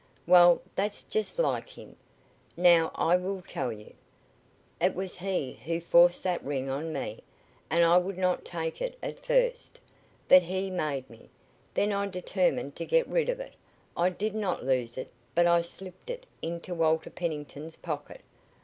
"Well, that's just like him. Now I will tell you. It was he who forced that ring on me and I would not take it at first. But he made me. Then I determined to get rid of it. I did not lose it, but I slipped it into Walter Pennington's pocket.